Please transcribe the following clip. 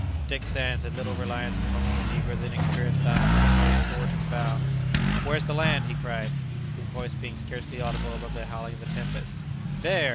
Dick Sands had little reliance upon the negro's inexperienced eye, but hurried forward to the bow. "Where's the land?" he cried; his voice being scarcely audible above the howling of the tempest. "There!